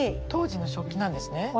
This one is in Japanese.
当時の食器なんですね？